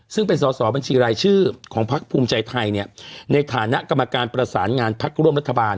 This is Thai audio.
ซึ่งเป็นสอสอบัญชีรายชื่อของพักภูมิใจไทยในฐานะกรรมการประสานงานพักร่วมรัฐบาล